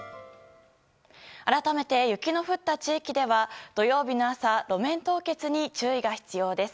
改めて、雪の降った地域では土曜日の朝路面凍結に注意が必要です。